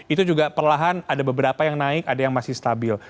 itu juga perlahan ada beberapa yang naik ada yang masih stabil